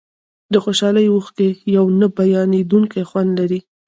د خوشحالۍ اوښکې یو نه بیانېدونکی خوند لري.